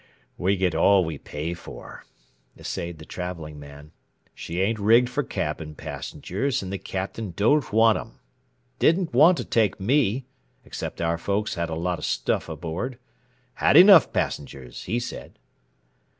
"We get all we pay for," essayed the Travelling Man. "She ain't rigged for cabin passengers, and the Captain don't want 'em. Didn't want to take me except our folks had a lot of stuff aboard. Had enough passengers, he said."